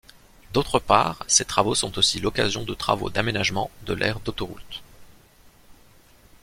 D'autre part, ces travaux sont aussi l'occasion de travaux d’aménagement de l'aire d'autoroute.